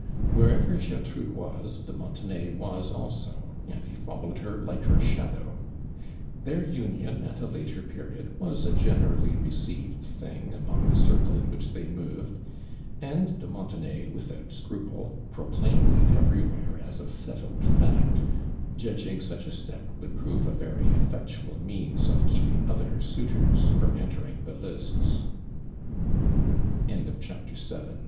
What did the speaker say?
Wherever Gertrude was, de Montenay was also, and he followed her like her shadow. Their union at a later period was a generally received thing among the circle in which they moved, and de Montenay, without scruple, proclaimed it everywhere as a settled fact, judging such a step would prove a very efiectual moans of keeping other suitors from entering the list